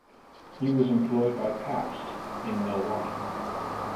He was employed by Pabst in Milwaukee.